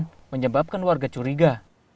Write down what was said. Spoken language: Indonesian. bayi berjalan dengan bergeriga